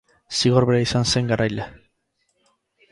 Zigor bera izan zen garaile.